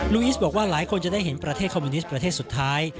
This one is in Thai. อีสบอกว่าหลายคนจะได้เห็นประเทศคอมมิวนิสต์ประเทศสุดท้าย